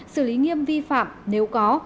xử lý nghiêm vi phạm nếu có